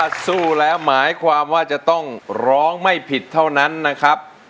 ถ้าสู้แล้วหมายความว่าจะต้องร้องไม่ผิดเท่านั้นนะครับ